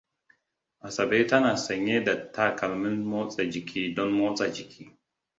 Asabe tana sanye da takalmin motsa jiki don motsa jiki.